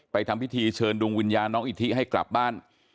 ทำพิธีเชิญดวงวิญญาณน้องอิทิให้กลับบ้าน